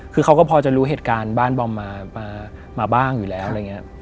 คือเขาก็พอจะรู้เหตุการณ์บ้านบอมมาบ้างอยู่แล้วอะไรอย่างนี้